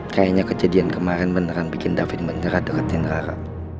kayaknya kejadian kemarin beneran bikin david mengerat dekatin rara